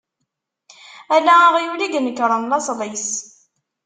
Ala aɣyul i i inekṛen laṣel-is.